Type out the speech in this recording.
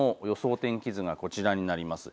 天気図がこちらになります。